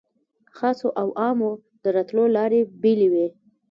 خاصو او عامو د راتلو لارې بېلې وې.